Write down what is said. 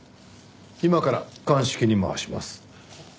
今から鑑識に回します。